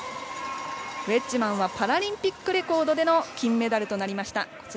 ウェッジマンはパラリンピックレコードでの金メダルとなりました。